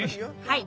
はい。